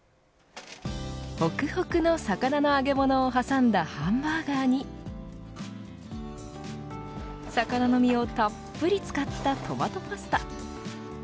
ほくほくの魚の揚げ物をはさんだハンバーガーに魚の身をたっぷり使ったトマトパスタ。